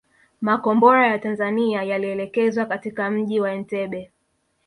Makombora ya Tanzania yalielekezwa katika mji wa Entebbe